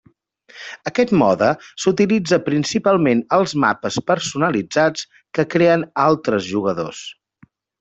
Aquest mode s'utilitza principalment als mapes personalitzats que creen altres jugadors.